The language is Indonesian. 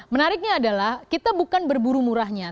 menariknya adalah kita bukan berburu murahnya